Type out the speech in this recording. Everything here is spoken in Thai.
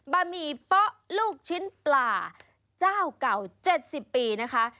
บะหมี่เป๊ะลูกชิ้นปลาเจ้าเก่า๗๐ปีนะคะ